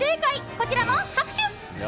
こちらも拍手！